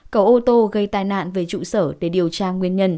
cậu ô tô gây tai nạn về trụ sở để điều tra nguyên nhân